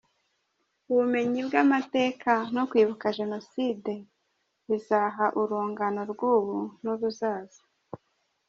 Ubumenyi bw’amateka no kwibuka jenoside bizaha urungano rw’ubu n’uruzaza .